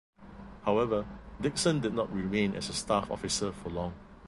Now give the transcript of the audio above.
However, Dickson did not remain as a staff officer for long.